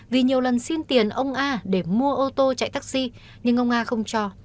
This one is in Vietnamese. vì nhiều lần xin tiền ông a để mua ô tô chạy taxi nhưng ông a không cho